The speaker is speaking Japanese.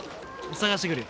捜してくるよ。